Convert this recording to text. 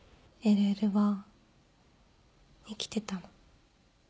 ＬＬ は生きてたの